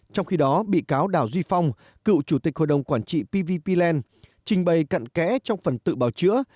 trong khi đó bị cáo đào duy phong cựu chủ tịch hội đồng quản trị pvp pland trình bày cận kẽ trong phần tự bào chữa